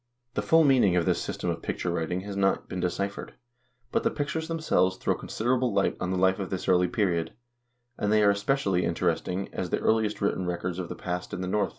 The full meaning of this system of picture writing has not been deciphered, but the pictures themselves throw considerable light on the life of this early period, and they are especially interesting as the earliest written records of the past in the North.